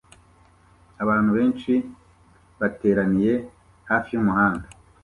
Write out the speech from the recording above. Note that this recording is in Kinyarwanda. Abantu benshi bateraniye hafi yumuhanda